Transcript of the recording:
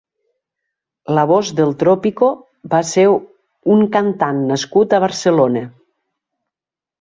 La Voss del Trópico va ser un cantant nascut a Barcelona.